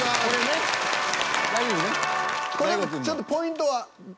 これちょっとポイントは？